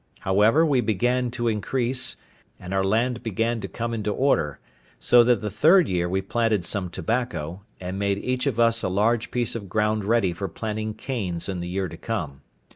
However, we began to increase, and our land began to come into order; so that the third year we planted some tobacco, and made each of us a large piece of ground ready for planting canes in the year to come.